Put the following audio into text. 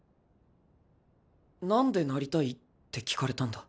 何でなりたい？って聞かれたんだ。